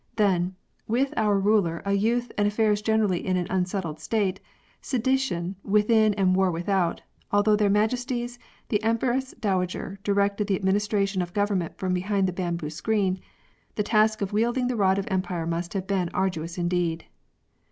Then, with our ruler a youth and affairs generally in an unsettled state, sedition within and war without, although their Majesties the Empresses Dowager directed the administration of government from behind the bamboo screen, the task of wielding the rod of empire must have been arduous indeed.